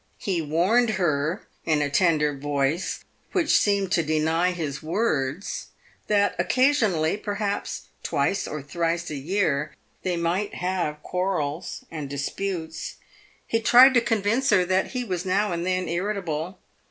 He warned her, in a tender voice which seemed PAVED "WITH GOLD. 395 to deny his words, that occasionally, perhaps twice or thrice a year, they might have quarrels and disputes. He tried to convince her that he was now and then irritable.